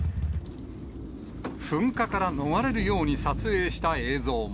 噴火から逃れるように撮影した映像も。